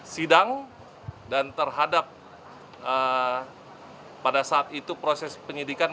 sidang dan terhadap pada saat itu proses penyidikan